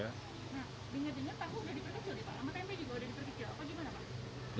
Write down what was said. nah dengar dengar tahu udah diperkecil nih pak sama tempe juga udah diperkecil apa gimana pak